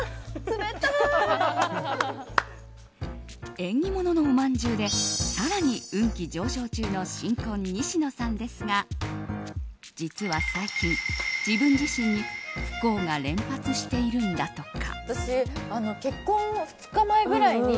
縁起物のおまんじゅうで更に運気上昇中の新婚・西野さんですが実は最近、自分自身に不幸が連発しているんだとか。